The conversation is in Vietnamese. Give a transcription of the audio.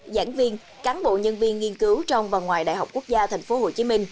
giảng viên cán bộ nhân viên nghiên cứu trong và ngoài đại học quốc gia tp hcm